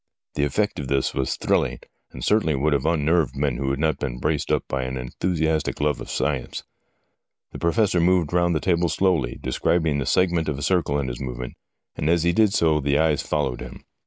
The effect of this was thrilling, and certainly would have unnerved men who had not been braced up by an enthusiastic love for science. The Professor moved round the table slowly, describing the segment of a circle in his movement, and as he did so the eyes followed him.